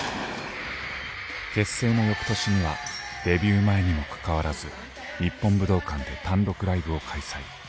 結成の翌年にはデビュー前にもかかわらず日本武道館で単独ライブを開催。